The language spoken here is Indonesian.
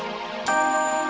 sampai jumpa lagi